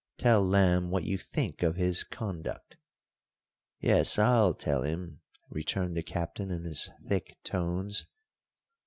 Tell Lamb what you think of his conduct." "Yes, I'll tell him," returned the Captain in his thick tones.